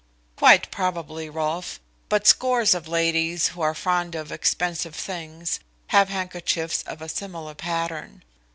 "Quite probably, Rolfe. But scores of ladies who are fond of expensive things have handkerchiefs of a similar pattern.